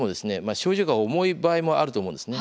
症状が重い場合もあると思うんですね。